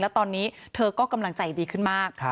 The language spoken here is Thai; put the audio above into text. แล้วตอนนี้เธอก็กำลังใจดีขึ้นมาก